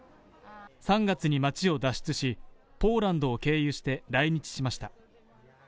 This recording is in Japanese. ３月に町を脱出し、ポーランドを経由して来日しました。